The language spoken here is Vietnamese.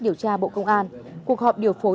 điều tra bộ công an cuộc họp điều phối